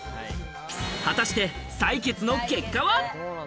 果たして採血の結果は？